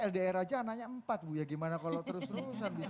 ibu dan bapak ldl aja nanya empat bu ya gimana kalau terus terusan bisa